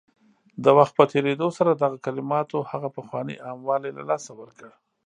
د وخت په تېرېدو سره دغه کلماتو هغه پخوانی عام والی له لاسه ورکړ